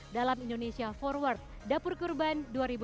dalam indonesia forward dapur kurban dua ribu dua puluh